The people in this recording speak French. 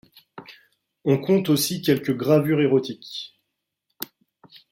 On compte aussi quelques gravures érotiques.